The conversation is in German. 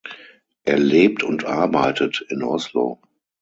Er lebt und arbeitet in Oslo.